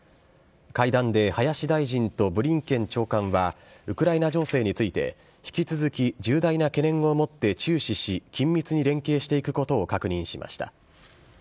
会談で林大臣とブリンケン長官は、ウクライナ情勢について、引き続き重大な懸念を持って注視し、緊密に連携していくことを確認しました。